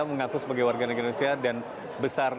mengaku sebagai warga negara indonesia dan besar